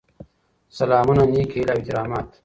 سلامونه نیکې هیلې او احترامات.